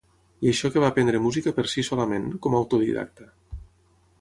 I això que va aprendre música per si solament, com a autodidacta.